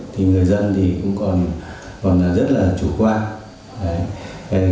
thì người dân cũng còn rất là chủ quan